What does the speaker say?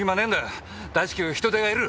大至急人手がいる！